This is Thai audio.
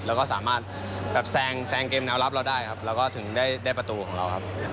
แล้วก็สามารถแบบแซงเกมแนวรับเราได้ครับแล้วก็ถึงได้ประตูของเราครับ